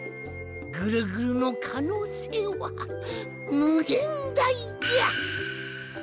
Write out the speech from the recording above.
ぐるぐるのかのうせいはむげんだいじゃ！